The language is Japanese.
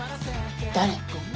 誰？